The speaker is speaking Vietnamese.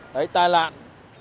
đấy tai nạn